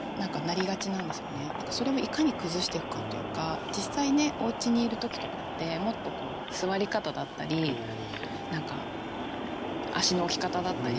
それをいかに崩していくかというか実際ねおうちにいる時とかってもっと座り方だったり何か足の置き方だったりもっと雑だと思うんですよね。